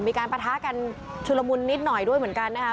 ปะทะกันชุดละมุนนิดหน่อยด้วยเหมือนกันนะคะ